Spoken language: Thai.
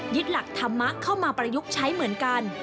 หลักธรรมะเข้ามาประยุกต์ใช้เหมือนกัน